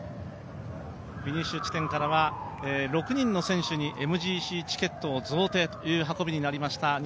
フィニッシュ地点からは６人の選手にＭＧＣチケット贈呈ということになりました。